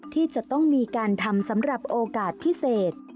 ที่จะต้องมีการทำสำหรับโอกาสพิเศษ